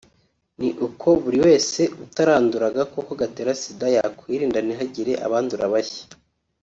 ni uko buri wese utarandura agakoko gatera sida yakwirinda ntihagire abandura bashya